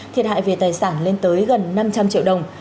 thiệt hại về tài sản lên tới gần năm trăm linh triệu đồng